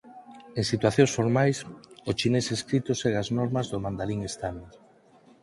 En situacións formais o chinés escrito segue as normas do mandarín estándar.